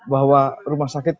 bahwa rumah sakit